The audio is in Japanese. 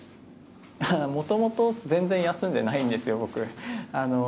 もともと全然休んでないんです、僕。